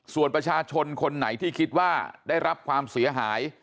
ส่วนประชาชนคนไหนที่คิดว่าได้รับความเสียหาย